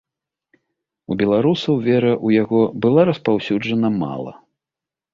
У беларусаў вера ў яго была распаўсюджана мала.